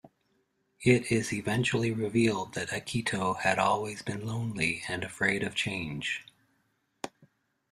It is eventually revealed that Akito had always been lonely and afraid of change.